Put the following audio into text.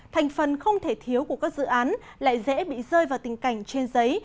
thành phần không thể thiếu của các dự án lại dễ bị rơi vào tình cảnh trên giấy